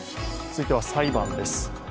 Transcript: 続いては裁判です。